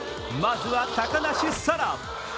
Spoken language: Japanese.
まずは高梨沙羅。